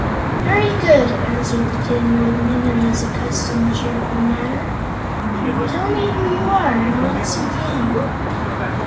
"Very good!" answered the Tin Woodman in his accustomed cheerful manner. "Tell me who you are, and whence you come."